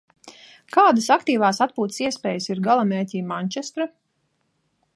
Kādas aktīvās atpūtas iespējas ir galamērķī Mančestra?